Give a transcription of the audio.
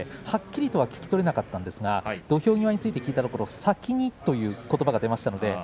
はっきりと聞き取れなかったんですが土俵際について聞いたところ先に、ということばが出ました。